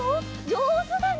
じょうずだね！